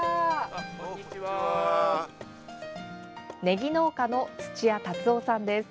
ねぎ農家の土屋龍雄さんです。